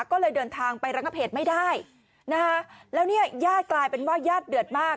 ก็เลยเดินทางไประงับเหตุไม่ได้นะคะแล้วเนี่ยญาติกลายเป็นว่าญาติเดือดมาก